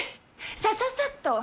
さささっと！